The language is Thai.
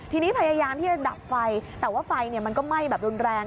ทีนี้พยายามที่จะดับไฟแต่ว่าไฟมันก็ไหม้แบบรุนแรง